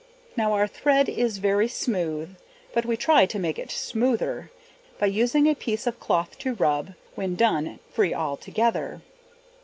Now our thread is very smooth, But we try to make it smoother, By using a piece of cloth to rub, When done, free all together.